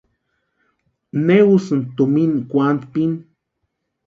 ¿Né úsïnki tumina kwantpini?